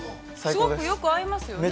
◆すごくよく合いますよね。